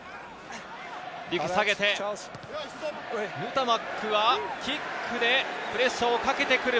リュキュ下げて、ヌタマックはキックでプレッシャーをかけてくる。